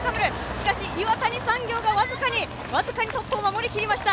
しかし岩谷産業が僅かにトップを守りきりました。